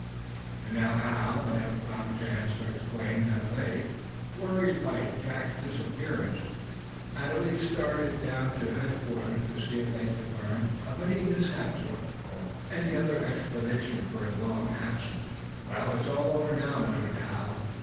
And now Hal and Eph found chance to explain that they, worried by Jack Benson's disappearance, had at last started down to headquarters to see if they could learn of any mishap to him, or of any other explanation for his long absence. "Well, it's all over now," muttered Hal.